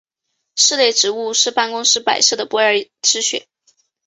室内植物是办公室摆设的不二之选。